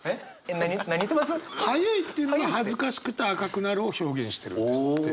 映いっていうのが恥ずかしくて赤くなるを表現してるんですって。